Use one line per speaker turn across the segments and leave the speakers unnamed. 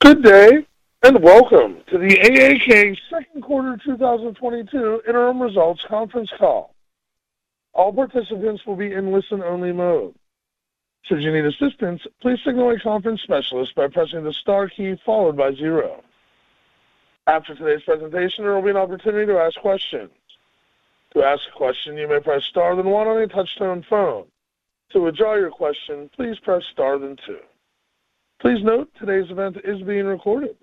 Good day, and welcome to the AAK second quarter 2022 interim results conference call. All participants will be in listen-only mode. Should you need assistance, please signal a conference specialist by pressing the star key followed by zero. After today's presentation, there will be an opportunity to ask questions. To ask a question, you may press star then one on your touch-tone phone. To withdraw your question, please press star then two. Please note today's event is being recorded.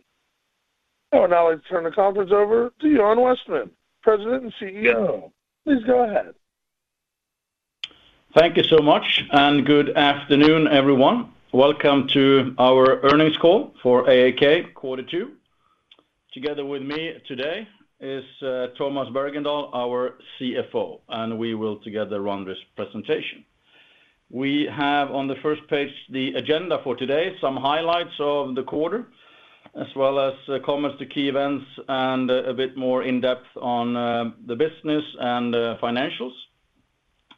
I would now like to turn the conference over to Johan Westman, President and CEO. Please go ahead.
Thank you so much, and good afternoon, everyone. Welcome to our earnings call for AAK quarter two. Together with me today is Tomas Bergendahl, our CFO, and we will together run this presentation. We have on the first page the agenda for today, some highlights of the quarter, as well as comments to key events and a bit more in-depth on the business and financials.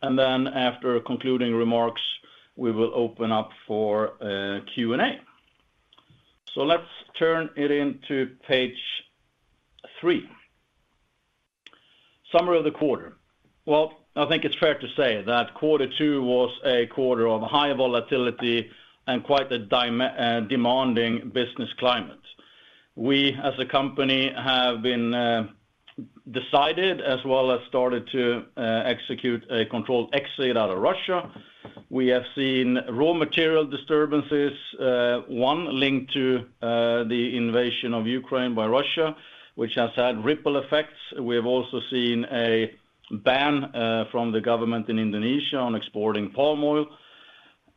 Then after concluding remarks, we will open up for Q&A. Let's turn to page three. Summary of the quarter. Well, I think it's fair to say that quarter two was a quarter of high volatility and quite a demanding business climate. We as a company have decided as well as started to execute a controlled exit out of Russia. We have seen raw material disturbances, one linked to the invasion of Ukraine by Russia, which has had ripple effects. We have also seen a ban from the government in Indonesia on exporting palm oil,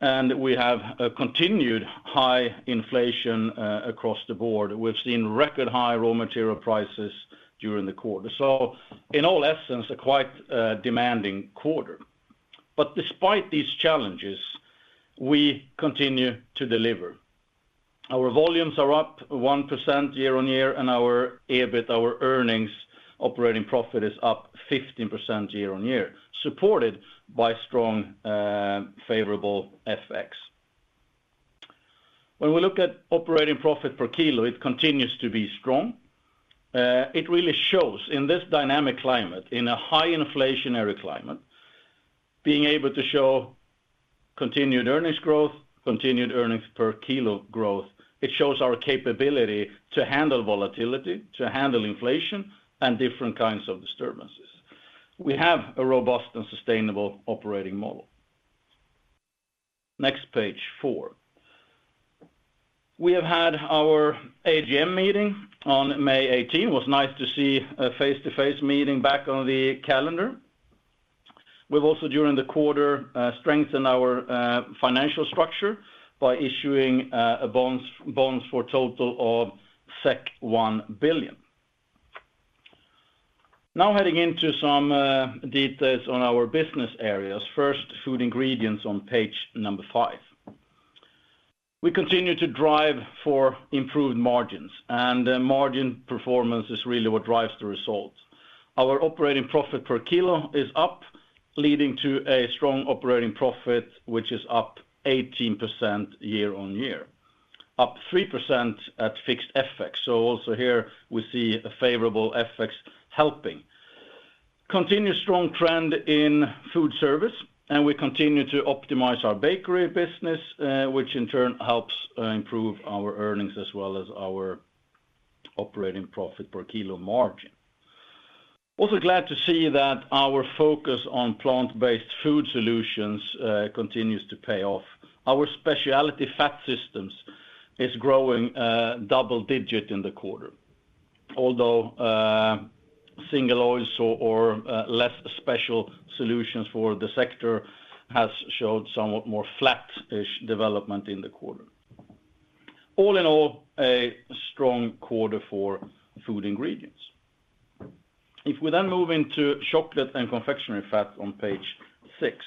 and we have a continued high inflation across the board. We've seen record high raw material prices during the quarter. In all essence, a quite demanding quarter. Despite these challenges, we continue to deliver. Our volumes are up 1% year-on-year, and our EBIT, our earnings, operating profit is up 15% year-on-year, supported by strong favorable FX. When we look at operating profit per kilo, it continues to be strong. It really shows in this dynamic climate, in a high inflationary climate, being able to show continued earnings growth, continued earnings per kilo growth, it shows our capability to handle volatility, to handle inflation and different kinds of disturbances. We have a robust and sustainable operating model. Next, page four. We have had our AGM meeting on May 18. It was nice to see a face-to-face meeting back on the calendar. We've also, during the quarter, strengthened our financial structure by issuing bonds for a total of 1 billion. Now heading into some details on our business areas. First, Food Ingredients on page five. We continue to drive for improved margins, and margin performance is really what drives the results. Our operating profit per kilo is up, leading to a strong operating profit, which is up 18% year-on-year, up 3% at fixed FX. Also here we see a favorable FX helping. Continue strong trend in food service, and we continue to optimize our bakery business, which in turn helps improve our earnings as well as our operating profit per kilo margin. Also glad to see that our focus on plant-based food solutions continues to pay off. Our specialty fat systems is growing double-digit in the quarter. Although single oil or less special solutions for the sector has showed somewhat more flat-ish development in the quarter. All in all, a strong quarter for Food Ingredients. If we then move into Chocolate & Confectionery Fats on page six.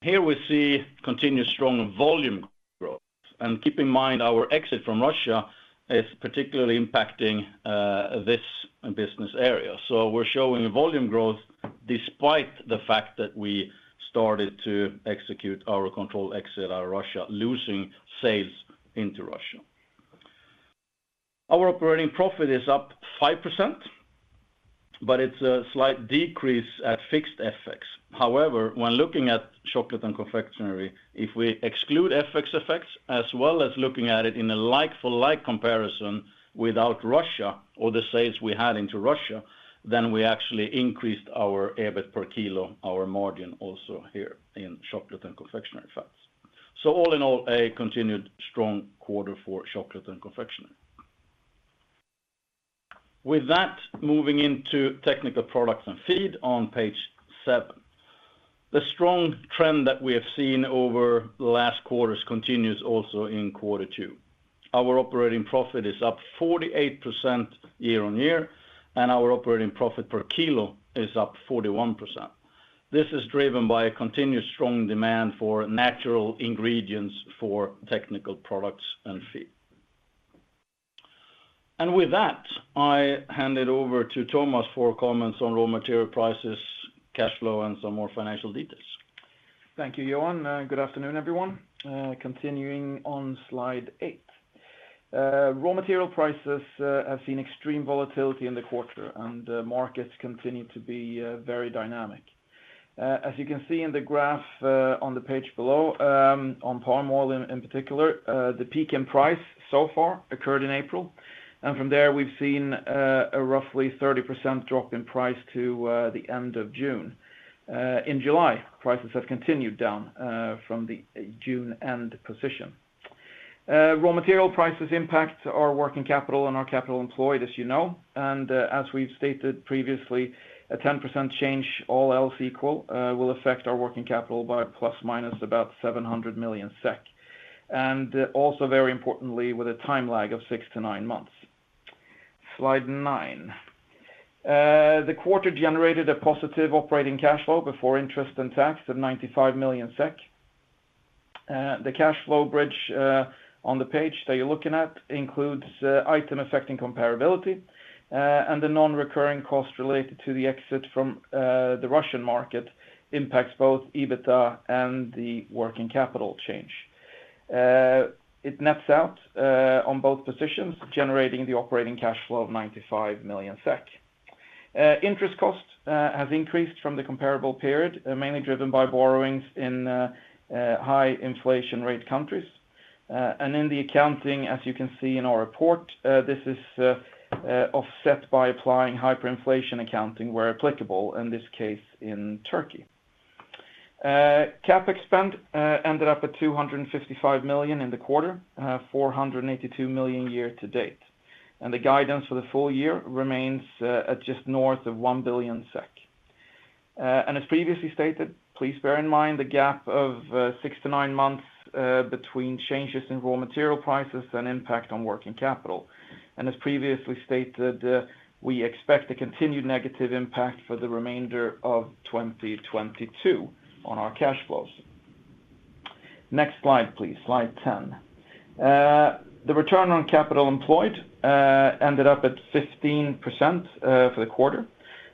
Here we see continued strong volume growth. Keep in mind our exit from Russia is particularly impacting this business area. We're showing volume growth despite the fact that we started to execute our controlled exit out of Russia, losing sales into Russia. Our operating profit is up 5%, but it's a slight decrease at fixed FX. However, when looking at Chocolate & Confectionery, if we exclude FX effects, as well as looking at it in a like for like comparison without Russia or the sales we had into Russia, then we actually increased our EBIT per kilo, our margin also here in Chocolate & Confectionery Fats. All in all, a continued strong quarter for Chocolate & Confectionery. With that, moving into Technical Products & Feed on page seven. The strong trend that we have seen over the last quarters continues also in quarter two. Our operating profit is up 48% year-on-year, and our operating profit per kilo is up 41%. This is driven by a continued strong demand for natural ingredients for Technical Products & Feed. With that, I hand it over to Tomas for comments on raw material prices, cash flow, and some more financial details.
Thank you, Johan. Good afternoon, everyone. Continuing on slide eight. Raw material prices have seen extreme volatility in the quarter and the markets continue to be very dynamic. As you can see in the graph on the page below, on palm oil in particular, the peak in price so far occurred in April. From there, we've seen a roughly 30% drop in price to the end of June. In July, prices have continued down from the June end position. Raw material prices impact our working capital and our capital employed, as you know. As we've stated previously, a 10% change, all else equal, will affect our working capital by ± about 700 million SEK. Also very importantly, with a time lag of six to nine months. Slide nine. The quarter generated a positive operating cash flow before interest and tax of 95 million SEK. The cash flow bridge on the page that you're looking at includes item affecting comparability and the non-recurring costs related to the exit from the Russian market impacts both EBITDA and the working capital change. It nets out on both positions, generating the operating cash flow of 95 million SEK. Interest costs have increased from the comparable period, mainly driven by borrowings in high inflation rate countries. In the accounting, as you can see in our report, this is offset by applying hyperinflation accounting where applicable, in this case in Turkey. CapEx spend ended up at 255 million in the quarter, 482 million year to date. The guidance for the full year remains at just north of 1 billion SEK. As previously stated, please bear in mind the gap of six to nine months between changes in raw material prices and impact on working capital. As previously stated, we expect a continued negative impact for the remainder of 2022 on our cash flows. Next slide, please. Slide 10. The return on capital employed ended up at 15% for the quarter.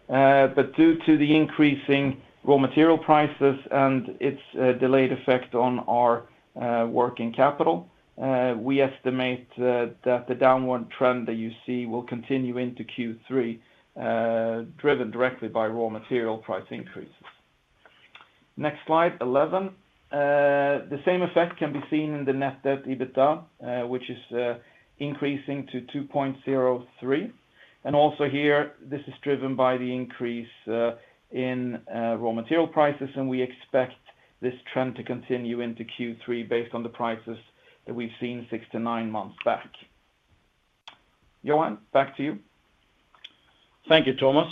Due to the increasing raw material prices and its delayed effect on our working capital, we estimate that the downward trend that you see will continue into Q3, driven directly by raw material price increases. Next slide, 11. The same effect can be seen in the net debt/EBITDA, which is increasing to 2.03. Also here, this is driven by the increase in raw material prices, and we expect this trend to continue into Q3 based on the prices that we've seen six to nine months back. Johan, back to you.
Thank you, Tomas.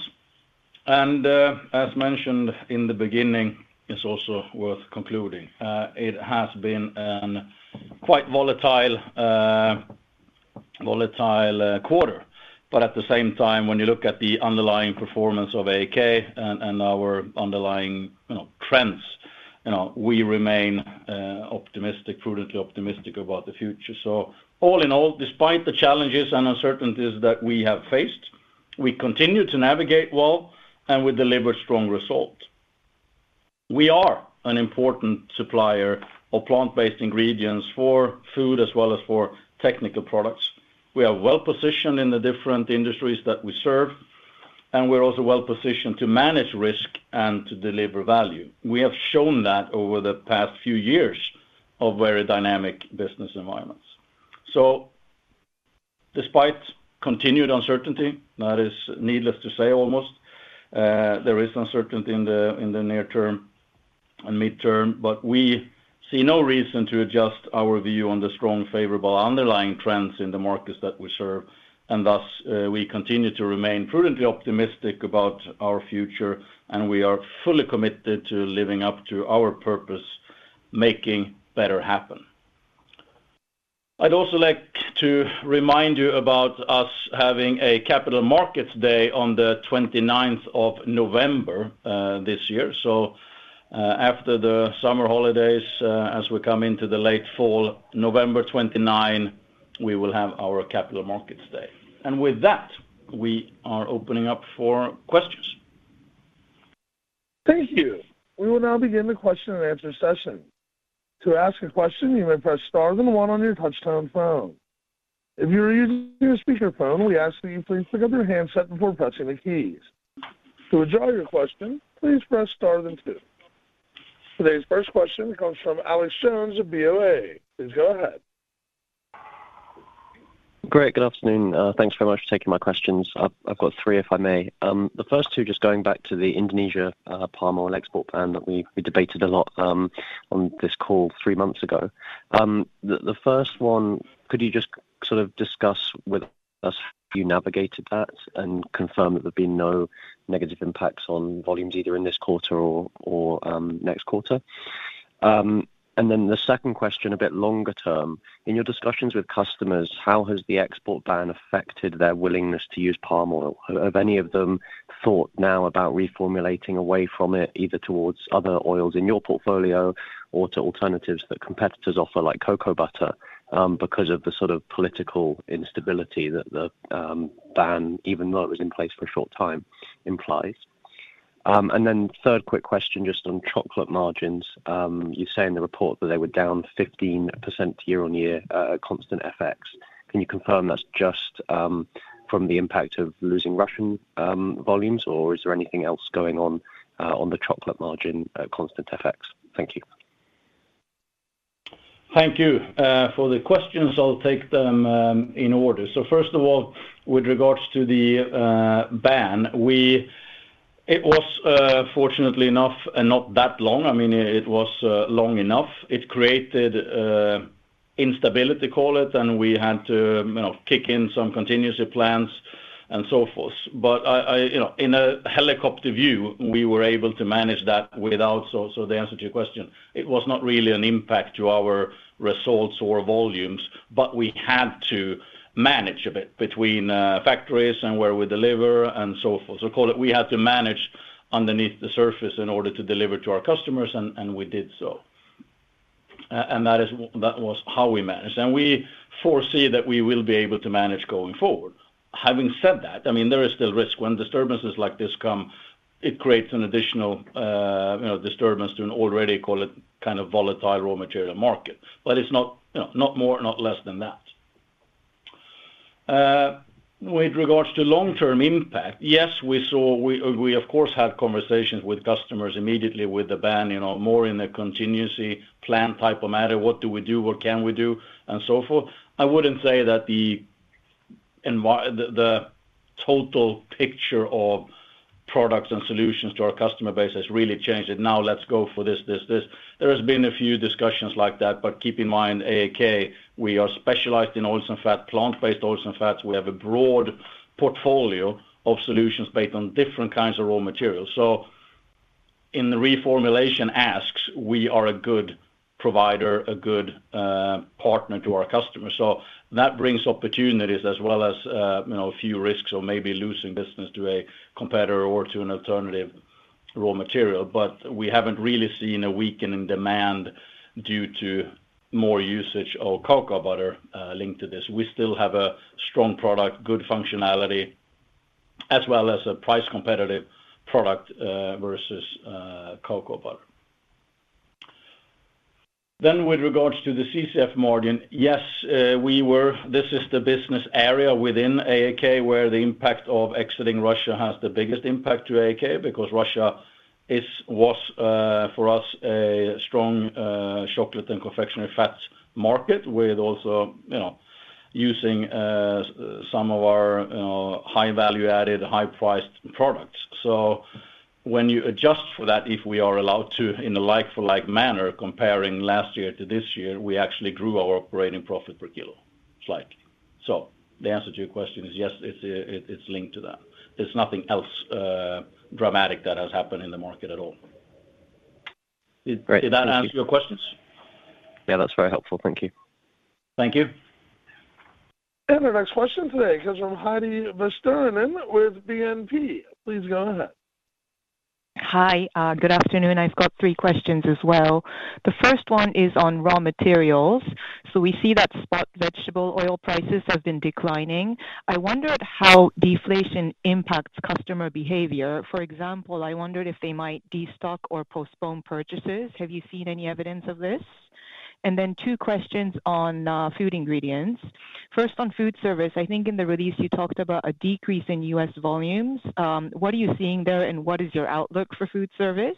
As mentioned in the beginning, it's also worth concluding. It has been a quite volatile quarter. But at the same time, when you look at the underlying performance of AAK and our underlying, you know, trends, you know, we remain optimistic, prudently optimistic about the future. All in all, despite the challenges and uncertainties that we have faced, we continue to navigate well and we delivered strong results. We are an important supplier of plant-based ingredients for food as well as for technical products. We are well-positioned in the different industries that we serve, and we're also well-positioned to manage risk and to deliver value. We have shown that over the past few years of very dynamic business environments. Despite continued uncertainty, that is needless to say almost, there is uncertainty in the near term and midterm, but we see no reason to adjust our view on the strong favorable underlying trends in the markets that we serve. Thus, we continue to remain prudently optimistic about our future, and we are fully committed to living up to our purpose, making better happen. I'd also like to remind you about us having a Capital Markets Day on the 29th of November, this year. After the summer holidays, as we come into the late fall, November 29, we will have our Capital Markets Day. With that, we are opening up for questions.
Thank you. We will now begin the question and answer session. To ask a question, you may press star then one on your touchtone phone. If you're using your speaker phone, we ask that you please pick up your handset before pressing the keys. To withdraw your question, please press star then two. Today's first question comes from Alex Jones of BofA. Please go ahead.
Great. Good afternoon. Thanks very much for taking my questions. I've got three, if I may. The first two, just going back to the Indonesian palm oil export ban that we debated a lot on this call three months ago. The first one, could you just sort of discuss with us how you navigated that and confirm that there'll be no negative impacts on volumes either in this quarter or next quarter? Then the second question, a bit longer term. In your discussions with customers, how has the export ban affected their willingness to use palm oil? Have any of them thought now about reformulating away from it, either towards other oils in your portfolio or to alternatives that competitors offer, like cocoa butter, because of the sort of political instability that the ban, even though it was in place for a short time, implies? Then third quick question, just on chocolate margins. You say in the report that they were down 15% year-on-year, constant FX. Can you confirm that's just from the impact of losing Russian volumes or is there anything else going on on the chocolate margin, constant FX? Thank you.
Thank you for the questions. I'll take them in order. First of all, with regards to the ban, it was fortunately enough and not that long. I mean, it was long enough. It created instability, call it, and we had to, you know, kick in some contingency plans and so forth. You know, in a helicopter view, we were able to manage that without. The answer to your question, it was not really an impact to our results or volumes, but we had to manage a bit between factories and where we deliver and so forth. Call it we had to manage underneath the surface in order to deliver to our customers, and we did so. That is, that was how we managed, and we foresee that we will be able to manage going forward. Having said that, I mean, there is still risk. When disturbances like this come, it creates an additional, you know, disturbance to an already, call it, kind of volatile raw material market. It's not, you know, not more, not less than that. With regards to long-term impact, yes, we of course had conversations with customers immediately with the ban, you know, more in a contingency plan type of matter. What do we do? What can we do, and so forth? I wouldn't say that the total picture of products and solutions to our customer base has really changed, and now let's go for this, this. There has been a few discussions like that, but keep in mind, AAK, we are specialized in oils and fat, plant-based oils and fats. We have a broad portfolio of solutions based on different kinds of raw materials. In the reformulation asks, we are a good provider, a good partner to our customers. That brings opportunities as well as, you know, a few risks of maybe losing business to a competitor or to an alternative raw material. We haven't really seen a weakening demand due to more usage of cocoa butter linked to this. We still have a strong product, good functionality, as well as a price competitive product versus cocoa butter. With regards to the CCF margin, yes, we were. This is the business area within AAK, where the impact of exiting Russia has the biggest impact to AAK because Russia was, for us, a strong Chocolate & Confectionery Fats market with also, you know, using some of our, you know, high value added, high priced products. When you adjust for that, if we are allowed to, in a like for like manner, comparing last year to this year, we actually grew our operating profit per kilo slightly. The answer to your question is yes, it's linked to that. There's nothing else dramatic that has happened in the market at all.
Great. Thank you.
Did that answer your questions?
Yeah, that's very helpful. Thank you.
Thank you.
Our next question today comes from Heidi Vesterinen with BNP. Please go ahead.
Hi. Good afternoon. I've got three questions as well. The first one is on raw materials. We see that spot vegetable oil prices have been declining. I wondered how deflation impacts customer behavior. For example, I wondered if they might destock or postpone purchases. Have you seen any evidence of this? Then two questions on food ingredients. First on food service, I think in the release you talked about a decrease in U.S. volumes. What are you seeing there, and what is your outlook for food service?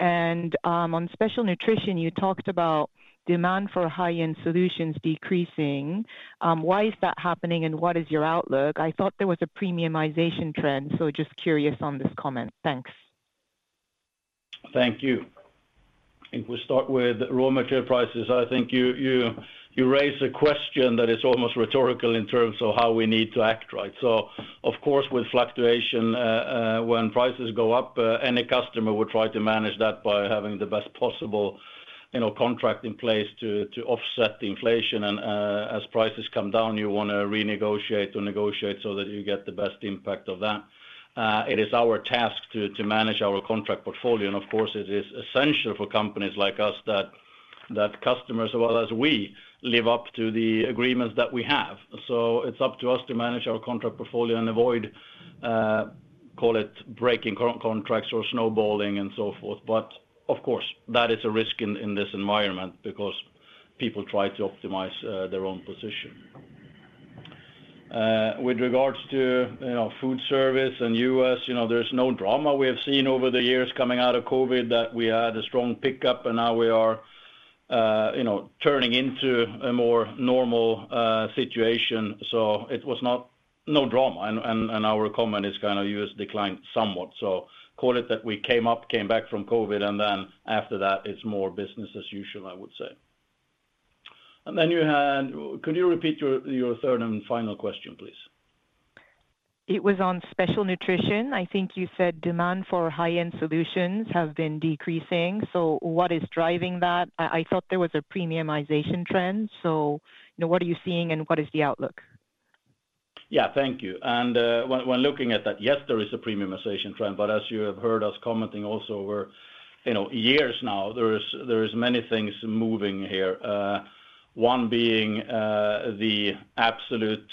On special nutrition, you talked about demand for high-end solutions decreasing. Why is that happening, and what is your outlook? I thought there was a premiumization trend, so just curious on this comment. Thanks.
Thank you. If we start with raw material prices, I think you raise a question that is almost rhetorical in terms of how we need to act, right? Of course, with fluctuation, when prices go up, any customer would try to manage that by having the best possible, you know, contract in place to offset the inflation. As prices come down, you wanna renegotiate or negotiate so that you get the best impact of that. It is our task to manage our contract portfolio, and of course it is essential for companies like us that customers as well as we live up to the agreements that we have. It's up to us to manage our contract portfolio and avoid call it breaking contracts or snowballing and so forth. Of course, that is a risk in this environment because people try to optimize their own position. With regards to, you know, food service and U.S., you know, there's no drama. We have seen over the years coming out of COVID that we had a strong pickup and now we are, you know, turning into a more normal situation. It was no drama, and our comment is kinda U.S. declined somewhat. Call it that we came back from COVID, and then after that it's more business as usual, I would say. Could you repeat your third and final question, please?
It was on special nutrition. I think you said demand for high-end solutions have been decreasing. What is driving that? I thought there was a premiumization trend. You know, what are you seeing and what is the outlook?
Yeah. Thank you. When looking at that, yes, there is a premiumization trend, but as you have heard us commenting also, we're, you know, for years now, there is many things moving here. One being the absolute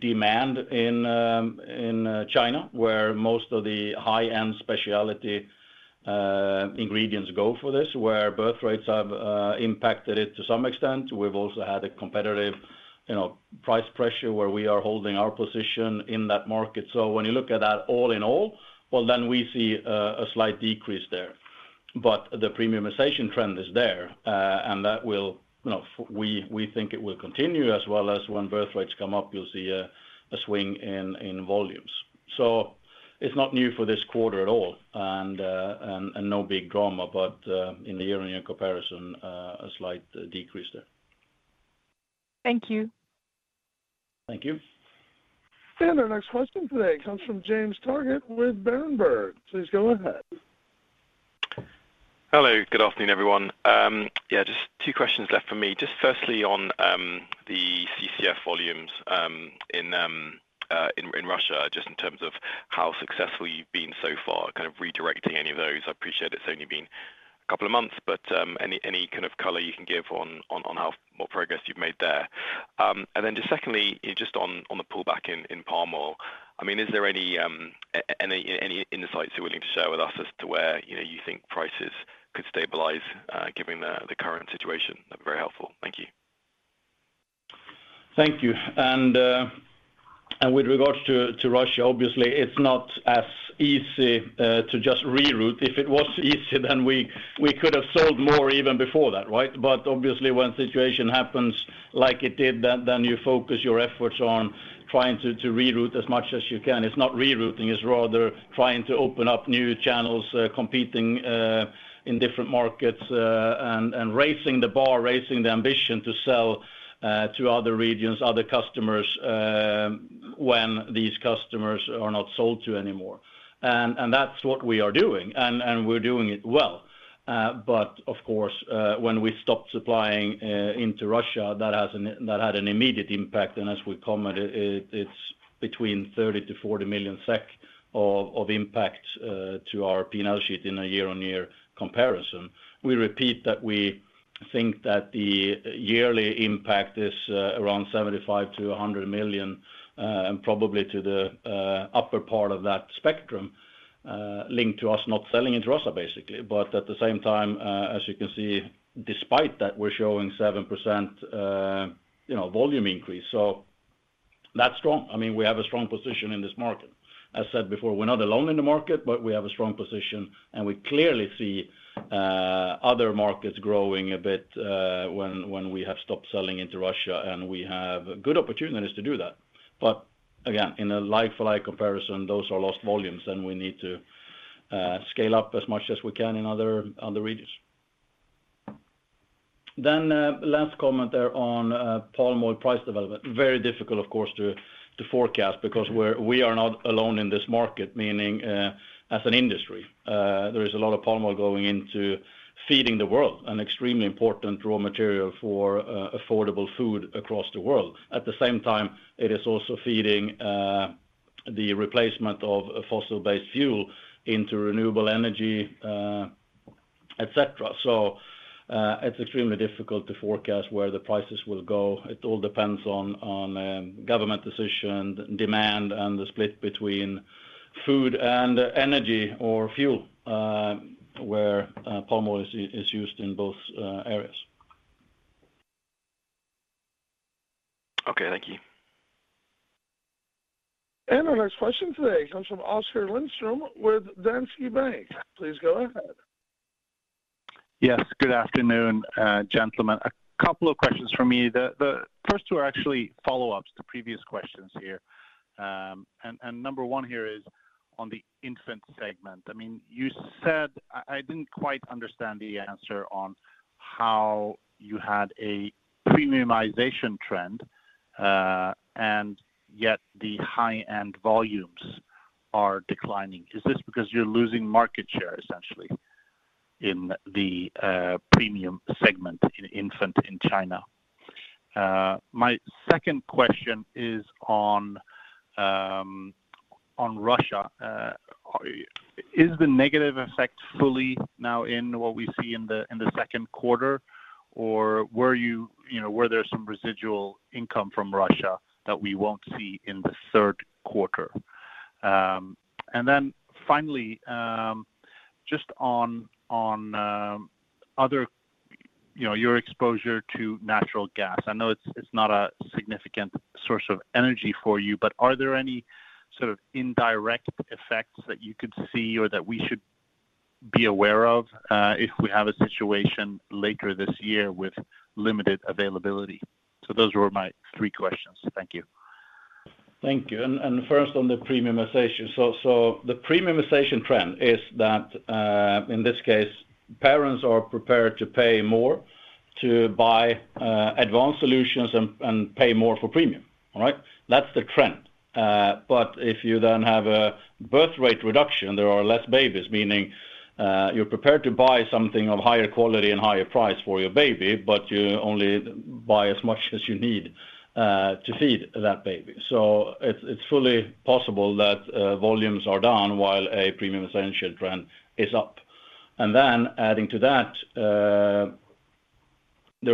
demand in China, where most of the high-end specialty ingredients go for this, where birthrates have impacted it to some extent. We've also had a competitive, you know, price pressure where we are holding our position in that market. When you look at that all in all, well, then we see a slight decrease there. The premiumization trend is there, and that will, you know, we think it will continue as well as when birthrates come up, you'll see a swing in volumes. It's not new for this quarter at all, and no big drama, but in the year-on-year comparison, a slight decrease there.
Thank you.
Thank you.
Our next question today comes from James Targett with Berenberg. Please go ahead.
Hello. Good afternoon, everyone. Yeah, just two questions left for me. Just firstly on the CCF volumes in Russia, just in terms of how successful you've been so far, kind of redirecting any of those. I appreciate it's only been a couple of months, but any kind of color you can give on what progress you've made there. Then just secondly, just on the pullback in palm oil. I mean, is there any insights you're willing to share with us as to where, you know, you think prices could stabilize, given the current situation? That'd be very helpful. Thank you.
Thank you. With regards to Russia, obviously, it's not as easy to just reroute. If it was easy, then we could have sold more even before that, right? Obviously, when situation happens like it did, then you focus your efforts on trying to reroute as much as you can. It's not rerouting, it's rather trying to open up new channels, competing in different markets, and raising the bar, raising the ambition to sell to other regions, other customers, when these customers are not sold to anymore. That's what we are doing, and we're doing it well. Of course, when we stopped supplying into Russia, that had an immediate impact, and as we commented, it's between 30 million-40 million SEK of impact to our P&L sheet in a year-on-year comparison. We repeat that we think that the yearly impact is around 75 million-100 million, and probably to the upper part of that spectrum, linked to us not selling into Russia, basically. At the same time, as you can see, despite that, we're showing 7%, you know, volume increase. That's strong. I mean, we have a strong position in this market. As said before, we're not alone in the market, but we have a strong position, and we clearly see other markets growing a bit, when we have stopped selling into Russia, and we have good opportunities to do that. Again, in a like-for-like comparison, those are lost volumes, and we need to scale up as much as we can in other regions. Last comment there on palm oil price development. Very difficult, of course, to forecast because we are not alone in this market, meaning, as an industry, there is a lot of palm oil going into feeding the world, an extremely important raw material for affordable food across the world. At the same time, it is also feeding the replacement of fossil-based fuel into renewable energy, et cetera. It's extremely difficult to forecast where the prices will go. It all depends on government decision, demand, and the split between food and energy or fuel, where palm oil is used in both areas.
Okay, thank you.
Our next question today comes from Oskar Lindström with Danske Bank. Please go ahead.
Yes, good afternoon, gentlemen. A couple of questions from me. The first two are actually follow-ups to previous questions here. Number one here is on the infant segment. I mean, you said I didn't quite understand the answer on how you had a premiumization trend, and yet the high-end volumes are declining. Is this because you're losing market share essentially in the premium segment in infant in China? My second question is on Russia. Is the negative effect fully now in what we see in the second quarter? Or you know, were there some residual income from Russia that we won't see in the third quarter? Finally, just on other, you know, your exposure to natural gas. I know it's not a significant source of energy for you, but are there any sort of indirect effects that you could see or that we should be aware of, if we have a situation later this year with limited availability? Those were my three questions. Thank you.
Thank you. First on the premiumization. The premiumization trend is that, in this case, parents are prepared to pay more to buy, advanced solutions and pay more for premium. All right. That's the trend. If you then have a birth rate reduction, there are less babies, meaning, you're prepared to buy something of higher quality and higher price for your baby, but you only buy as much as you need, to feed that baby. It's fully possible that, volumes are down while a premiumization trend is up. Adding to that, there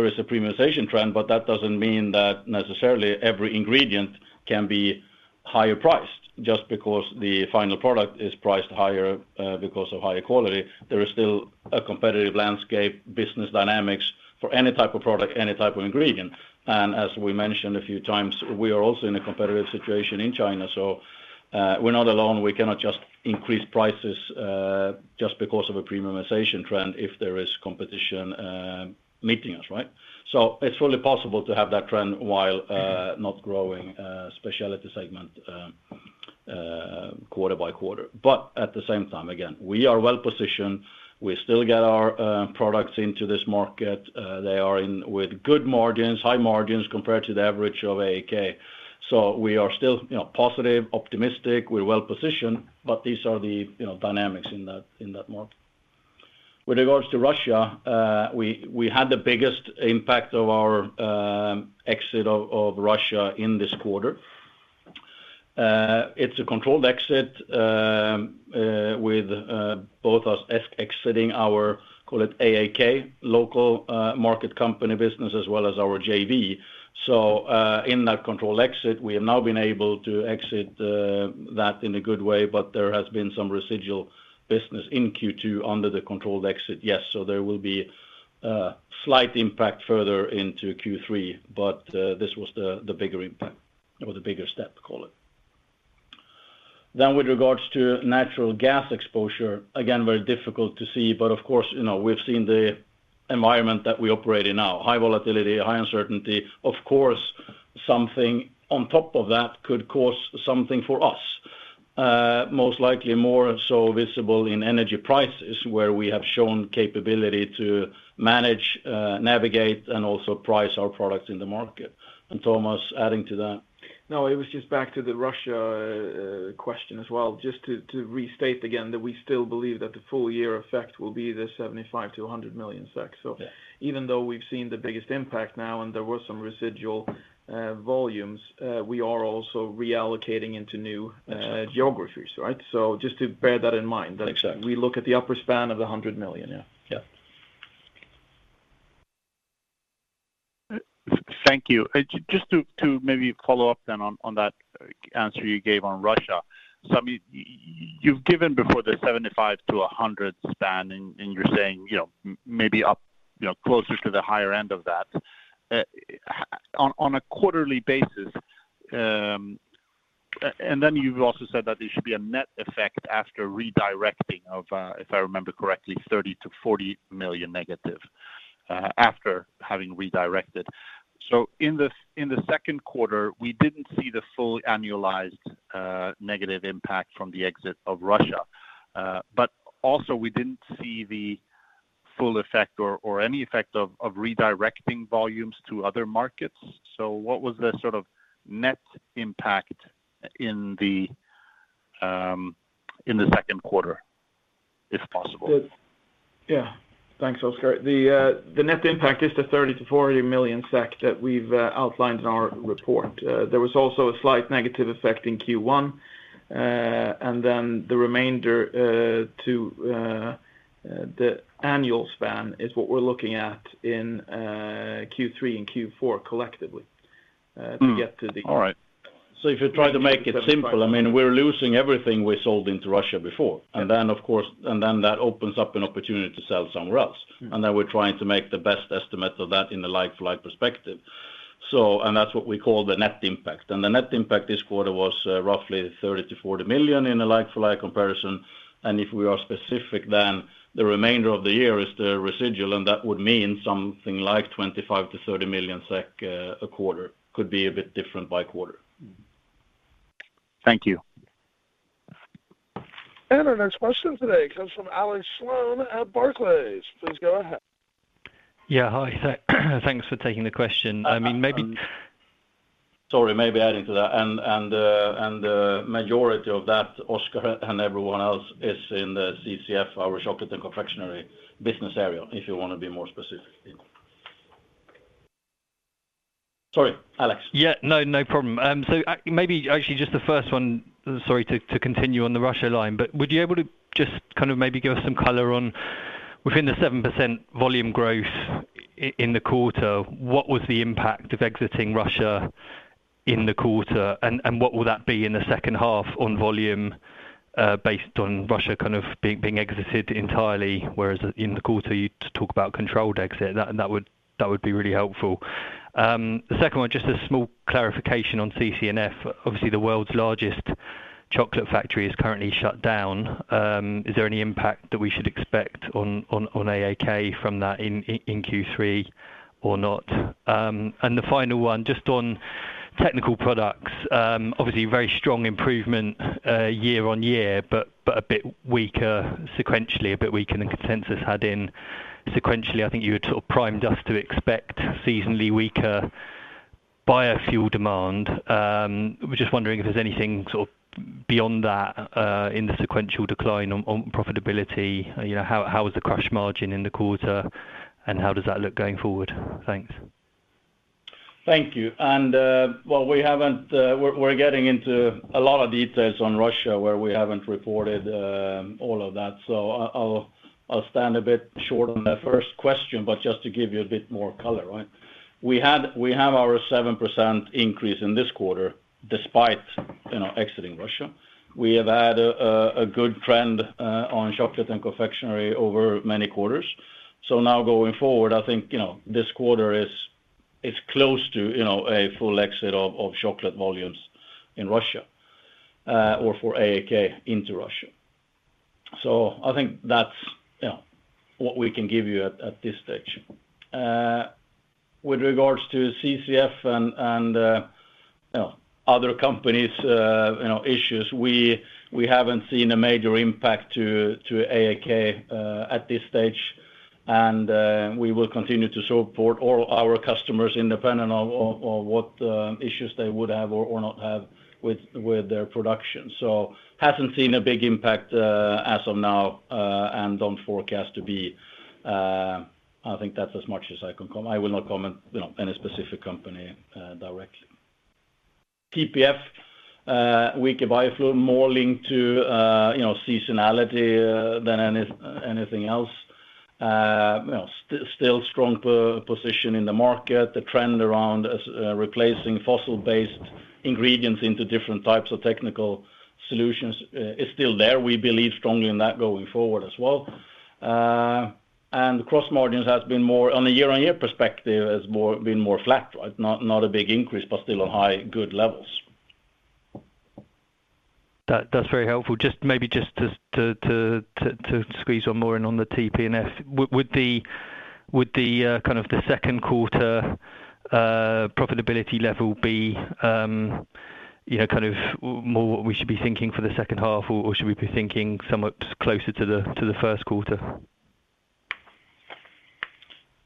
is a premiumization trend, but that doesn't mean that necessarily every ingredient can be higher priced just because the final product is priced higher, because of higher quality. There is still a competitive landscape, business dynamics for any type of product, any type of ingredient. As we mentioned a few times, we are also in a competitive situation in China, so we're not alone. We cannot just increase prices just because of a premiumization trend if there is competition meeting us, right? It's really possible to have that trend while not growing specialty segment quarter by quarter. At the same time, again, we are well-positioned. We still get our products into this market. They are in with good margins, high margins compared to the average of AAK. We are still, you know, positive, optimistic, we're well-positioned, but these are the, you know, dynamics in that market. With regards to Russia, we had the biggest impact of our exit of Russia in this quarter. It's a controlled exit with both us exiting our call it AAK local market company business as well as our JV. In that controlled exit, we have now been able to exit that in a good way, but there has been some residual business in Q2 under the controlled exit, yes. There will be slight impact further into Q3, but this was the bigger impact or the bigger step, call it. With regards to natural gas exposure, again, very difficult to see, but of course, you know, we've seen the environment that we operate in now, high volatility, high uncertainty. Of course, something on top of that could cause something for us. Most likely more so visible in energy prices, where we have shown capability to manage, navigate and also price our products in the market. Tomas, adding to that.
No, it was just back to the Russia question as well, just to restate again that we still believe that the full year effect will be the 75 million-100 million.
Yeah.
Even though we've seen the biggest impact now and there were some residual volumes, we are also reallocating into new geographies, right? Just to bear that in mind.
Exactly.
That we look at the upper span of 100 million.
Yeah. Yeah.
Thank you. Just to maybe follow up then on that answer you gave on Russia. I mean, you've given before the 75 million-100 million span and you're saying, you know, maybe up, you know, closer to the higher end of that. On a quarterly basis, and then you've also said that there should be a net effect after redirecting of, if I remember correctly, 30 million-40 million negative, after having redirected. In the second quarter, we didn't see the full annualized negative impact from the exit of Russia. But also we didn't see the full effect or any effect of redirecting volumes to other markets. What was the sort of net impact in the second quarter, if possible?
Yeah. Thanks, Oskar. The net impact is the 30 million-40 million SEK that we've outlined in our report. There was also a slight negative effect in Q1. Then the remainder to the annual span is what we're looking at in Q3 and Q4 collectively.
Mm.
To get to the-
All right. If you try to make it simple, I mean, we're losing everything we sold into Russia before.
Yeah.
That opens up an opportunity to sell somewhere else.
Mm.
Then we're trying to make the best estimate of that in a like-for-like perspective. That's what we call the net impact. The net impact this quarter was roughly 30 million-40 million in a like-for-like comparison. If we are specific, then the remainder of the year is the residual, and that would mean something like 25 million-30 million SEK a quarter. Could be a bit different by quarter.
Thank you.
Our next question today comes from Alex Sloane at Barclays. Please go ahead.
Yeah. Hi. Thanks for taking the question. I mean.
Um, and-
Maybe-
Sorry, maybe adding to that. Majority of that, Oskar and everyone else, is in the CCF, our Chocolate & Confectionery business area, if you wanna be more specific. Sorry, Alex.
Yeah. No problem. Maybe actually just the first one, sorry to continue on the Russia line, but would you be able to just kind of maybe give us some color on within the 7% volume growth in the quarter, what was the impact of exiting Russia in the quarter, and what will that be in the second half on volume, based on Russia kind of being exited entirely, whereas in the quarter you talk about controlled exit? That would be really helpful. The second one, just a small clarification on CCF. Obviously, the world's largest chocolate factory is currently shut down. Is there any impact that we should expect on AAK from that in Q3 or not? The final one, just on Technical Products, obviously very strong improvement year-on-year, but a bit weaker sequentially, a bit weaker than consensus had in sequentially. I think you had sort of primed us to expect seasonally weaker biofuel demand. We're just wondering if there's anything sort of beyond that, in the sequential decline on profitability. You know, how was the crush margin in the quarter, and how does that look going forward? Thanks.
Thank you. We're getting into a lot of details on Russia, where we haven't reported all of that. I'll stand a bit short on that first question, but just to give you a bit more color, right? We have our 7% increase in this quarter despite, you know, exiting Russia. We have had a good trend on Chocolate & Confectionery over many quarters. Now going forward, I think, you know, this quarter is close to, you know, a full exit of chocolate volumes in Russia or for AAK into Russia. I think that's, yeah, what we can give you at this stage. With regards to CCF and you know other companies' issues, we haven't seen a major impact to AAK at this stage. We will continue to support all our customers independent of what issues they would have or not have with their production. Hasn't seen a big impact as of now and don't forecast to be. I think that's as much as I can. I will not comment you know any specific company directly. TP&F weaker biofuel more linked to you know seasonality than anything else. You know still strong position in the market. The trend around replacing fossil based ingredients into different types of technical solutions is still there. We believe strongly in that going forward as well. The gross margins has been more flat on a year-on-year perspective, right? Not a big increase, but still on high good levels.
That's very helpful. Just maybe just to squeeze one more in on the TP&F. Would the kind of the second quarter profitability level be, you know, kind of more what we should be thinking for the second half, or should we be thinking somewhat closer to the first quarter?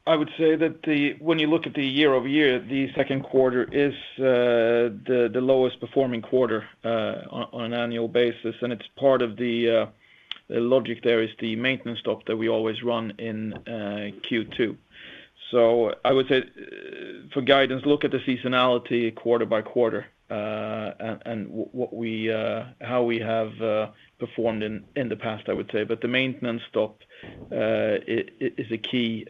I would say that when you look at the year-over-year, the second quarter is the lowest performing quarter on an annual basis, and it's part of the logic there is the maintenance stop that we always run in Q2. I would say for guidance, look at the seasonality quarter by quarter, and how we have performed in the past, I would say. But the maintenance stop is a key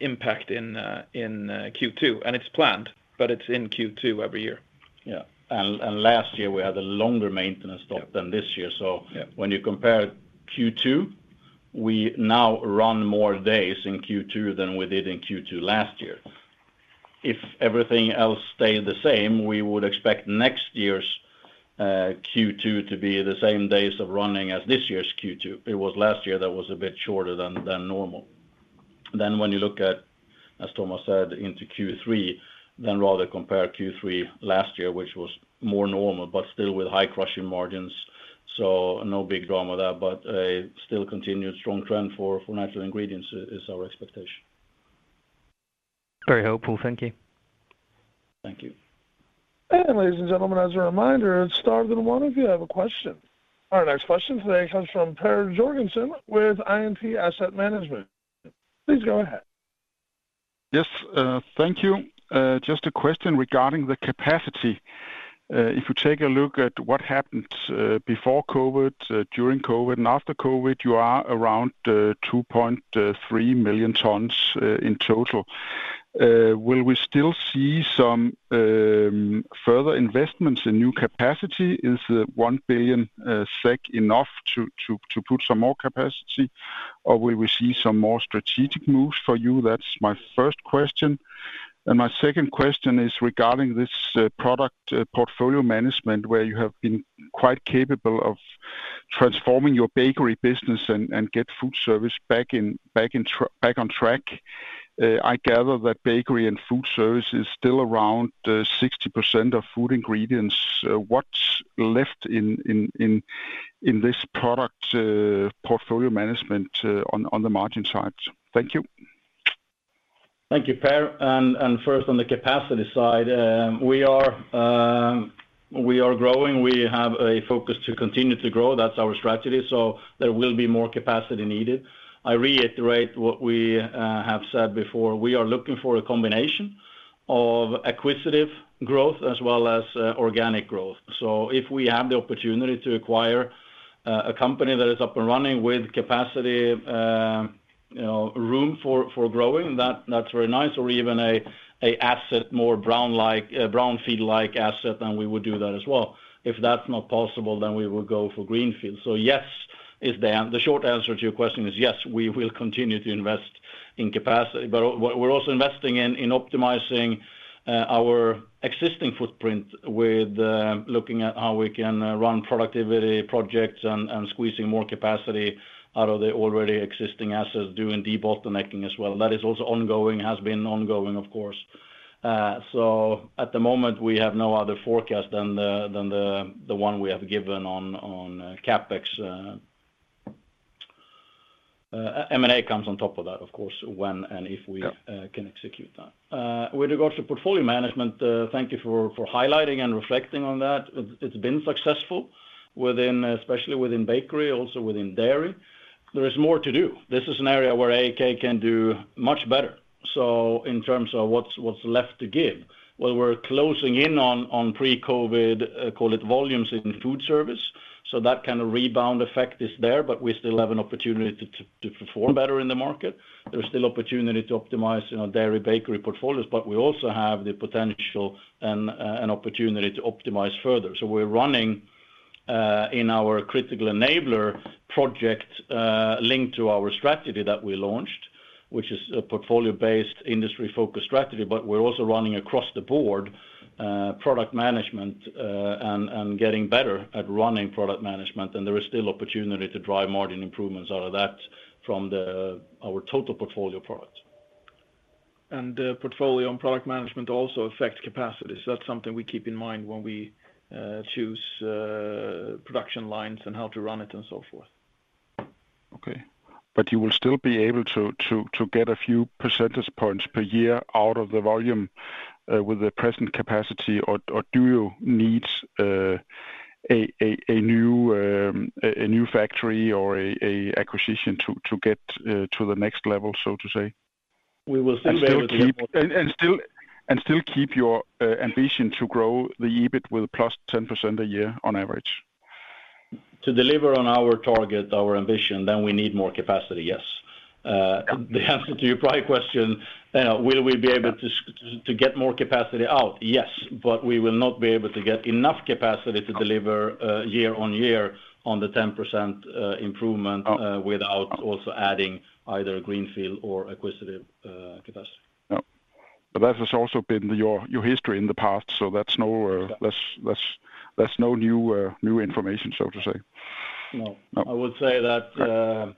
impact in Q2, and it's planned, but it's in Q2 every year. Yeah. Last year we had a longer maintenance stop than this year. Yeah. When you compare Q2, we now run more days in Q2 than we did in Q2 last year. If everything else stayed the same, we would expect next year's Q2 to be the same days of running as this year's Q2. It was last year that was a bit shorter than normal. When you look at, as Tomas said, into Q3, then rather compare Q3 last year, which was more normal, but still with high crushing margins. No big drama there, but a still continued strong trend for natural ingredients is our expectation.
Very helpful. Thank you.
Thank you.
Ladies and gentlemen, as a reminder, star then one if you have a question. Our next question today comes from Per Jørgensen with IMT Asset Management. Please go ahead.
Yes, thank you. Just a question regarding the capacity. If you take a look at what happened before COVID, during COVID, and after COVID, you are around 2.3 million tons in total. Will we still see some further investments in new capacity? Is the 1 billion SEK enough to put some more capacity? Or will we see some more strategic moves for you? That's my first question. My second question is regarding this product portfolio management, where you have been quite capable of transforming your bakery business and get food service back on track. I gather that bakery and food service is still around 60% of Food Ingredients. What's left in this product portfolio management on the margin side? Thank you.
Thank you, Per. First on the capacity side, we are growing. We have a focus to continue to grow. That's our strategy. There will be more capacity needed. I reiterate what we have said before. We are looking for a combination of acquisitive growth as well as organic growth. If we have the opportunity to acquire a company that is up and running with capacity, you know, room for growing, that's very nice or even a asset more brownfield-like asset, we would do that as well. If that's not possible, we would go for greenfield. Yes, the short answer to your question is yes, we will continue to invest in capacity. We're also investing in optimizing our existing footprint with looking at how we can run productivity projects and squeezing more capacity out of the already existing assets, doing debottlenecking as well. That is also ongoing. Has been ongoing, of course. At the moment, we have no other forecast than the one we have given on CapEx. M&A comes on top of that, of course, when and if we can execute that. With regards to portfolio management, thank you for highlighting and reflecting on that. It's been successful. Within, especially within bakery, also within dairy, there is more to do. This is an area where AAK can do much better. In terms of what's left to give, well, we're closing in on pre-COVID, call it volumes in food service, so that kind of rebound effect is there, but we still have an opportunity to perform better in the market. There's still opportunity to optimize, you know, dairy bakery portfolios, but we also have the potential and an opportunity to optimize further. We're running in our critical enabler project linked to our strategy that we launched, which is a portfolio-based industry-focused strategy, but we're also running across the board product management and getting better at running product management, and there is still opportunity to drive margin improvements out of that from our total portfolio products.
Portfolio and product management also affect capacity. That's something we keep in mind when we choose production lines and how to run it and so forth. Okay.
You will still be able to get a few percentage points per year out of the volume with the present capacity or do you need a new factory or a acquisition to get to the next level, so to say?
We will still be able to.
Still keep your ambition to grow the EBIT with +10% a year on average?
To deliver on our target, our ambition, then we need more capacity, yes. The answer to your prior question, will we be able to get more capacity out? Yes. We will not be able to get enough capacity to deliver year-on-year 10% improvement without also adding either greenfield or acquisitive capacity.
Yeah. That has also been your history in the past, so that's no new information, so to say.
No.
No.
I would say that,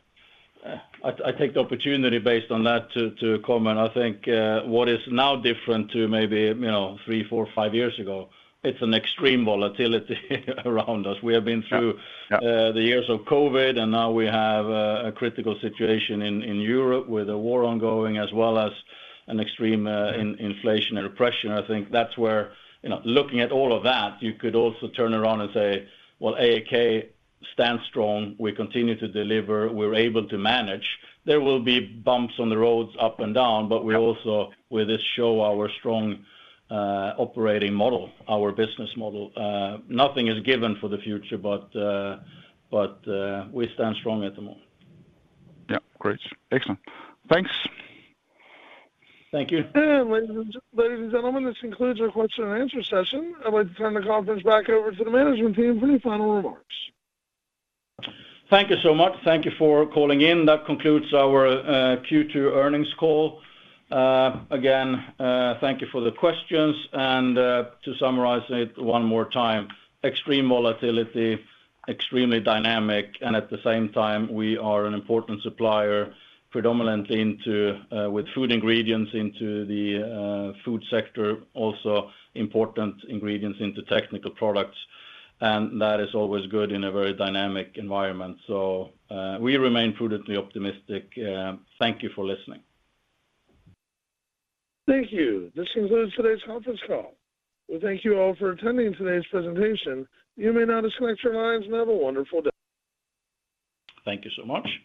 I take the opportunity based on that to comment. I think, what is now different to maybe, you know, three, four, five years ago, it's an extreme volatility around us. We have been through.
Yeah.
The years of COVID, and now we have a critical situation in Europe with the war ongoing as well as an extreme inflationary pressure. I think that's where, you know, looking at all of that, you could also turn around and say, "Well, AAK stands strong. We continue to deliver. We're able to manage." There will be bumps on the roads up and down, but we also with this show our strong operating model, our business model. Nothing is given for the future, but we stand strong at the moment.
Yeah. Great. Excellent. Thanks.
Thank you.
Ladies and gentlemen, this concludes our question and answer session. I'd like to turn the conference back over to the management team for any final remarks.
Thank you so much. Thank you for calling in. That concludes our Q2 earnings call. Again, thank you for the questions. To summarize it one more time, extreme volatility, extremely dynamic, and at the same time, we are an important supplier predominantly into with food ingredients into the food sector, also important ingredients into technical products, and that is always good in a very dynamic environment. We remain prudently optimistic. Thank you for listening.
Thank you. This concludes today's conference call. We thank you all for attending today's presentation. You may now disconnect your lines and have a wonderful day.
Thank you so much.